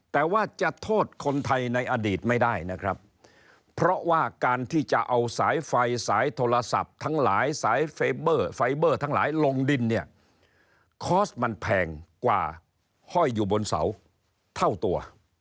แต่ว่าจะโทษคนไทยในอดีตไม่ได้นะครับเพราะว่าการที่จะเอาสายไฟสายโทรศัพท์ทั้งหลายสายไฟเบอร์ไฟเบอร์ทั้งหลายลงดินเนี่ยคอร์สมันแพงกว่าห้อยอยู่บนเสาเท่าตัว